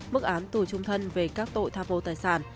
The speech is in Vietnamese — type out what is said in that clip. mức án tù trung thân về các tội tham mô tài sản